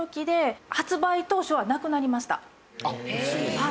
はい。